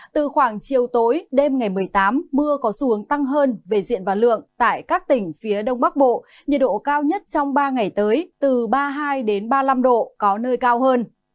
từ khoảng chiều tối đêm ngày một mươi tám mưa có xu hướng tăng hơn về diện và lượng tại các tỉnh phía đông bắc bộ nhiệt độ cao nhất trong ba ngày tới từ ba mươi hai ba mươi năm độ có nơi cao hơn